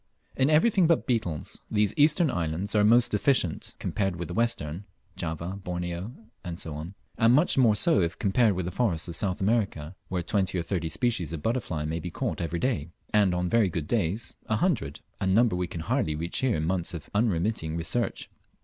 In everything but beetles, these eastern islands are very deficient compared with the western (Java, Borneo, &c.), and much more so if compared with the forests of South America, where twenty or thirty species of butterflies may be caught every day, and on very good days a hundred, a number we can hardly reach here in months of unremitting search.